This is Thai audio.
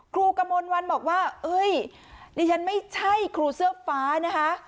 กระมวลวันบอกว่าเฮ้ยดิฉันไม่ใช่ครูเสื้อฟ้านะคะ